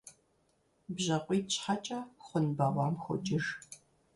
БжьакъуитӀ щхьэкӀэ хъун бэгъуам хокӀыж.